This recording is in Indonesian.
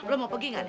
lo mau pergi gak nih